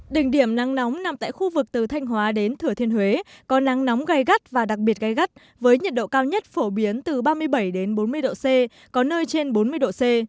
đỉnh điểm nắng nóng nằm tại khu vực từ thanh hóa đến thừa thiên huế có nắng nóng gai gắt và đặc biệt gai gắt với nhiệt độ cao nhất phổ biến từ ba mươi bảy bốn mươi độ c có nơi trên bốn mươi độ c